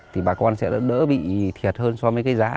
thì bà con sẽ đỡ bị thiệt hơn so với cái giá